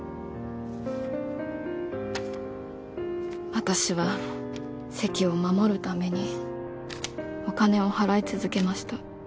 私は席を守るためにお金を払い続けました。